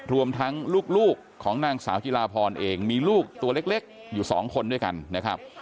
รวมทั้งลูกของนางสาวจิลาพรเองมีลูกตัวเล็กอยู่๒คนด้วยกันนะครับ